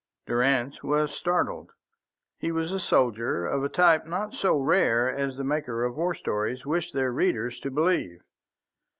Durrance was startled. He was a soldier of a type not so rare as the makers of war stories wish their readers to believe.